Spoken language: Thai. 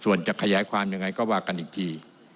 ส่วนขยายความไปไหนก็ว่ากันอีกที